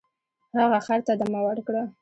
هغه خر ته دمه ورکړه.